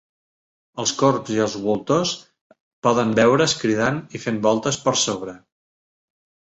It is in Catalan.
Els corbs i els voltors poden veure's cridant i fent voltes per sobre.